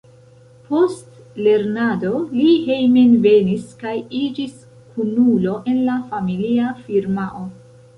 Post lernado li hejmenvenis kaj iĝis kunulo en la familia firmao.